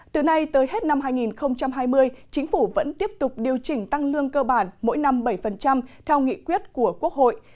từ nay tới hết năm hai nghìn hai mươi chính phủ vẫn tiếp tục điều chỉnh tăng lương cơ bản mỗi năm bảy theo nghị quyết của quốc hội